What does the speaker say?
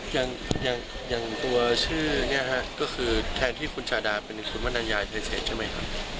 อย่างตัวชื่นนี้ก็คือแทนที่คุณชาวดาเป็นนิกุธวรรณุนยายเฉศใช่ไหมครับ